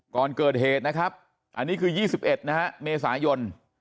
ก่อนเกิดเหตุนะครับอันนี้คือ๒๑นะฮะเมษายน